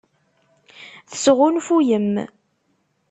Tesɣunfuyem.